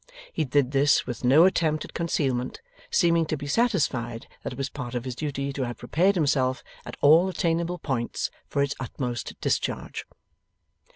He did this with no attempt at concealment, seeming to be satisfied that it was part of his duty to have prepared himself at all attainable points for its utmost discharge.